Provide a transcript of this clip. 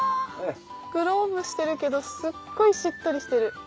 グローブしてるけどすっごいしっとりしてる。